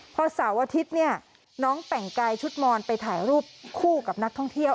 พอเสาร์อาทิตย์เนี่ยน้องแต่งกายชุดมอนไปถ่ายรูปคู่กับนักท่องเที่ยว